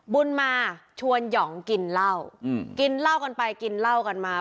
บุญมาชวนหย่องกินเหล้ากินเหล้ากันไปกินเหล้ากันมา